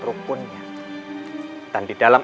rukunnya dan di dalam